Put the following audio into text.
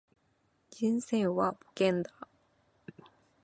人生は冒険だ